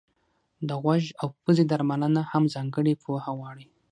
د غوږ او پزې درملنه هم ځانګړې پوهه غواړي.